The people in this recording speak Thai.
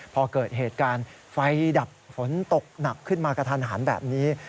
พอเกิดเหตุการณ์ไฟดับฝนตกหนักขึ้นมากระทันหันแบบนี้